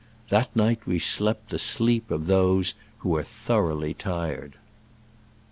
That night we slept the sleep of those who are thoroughly tired.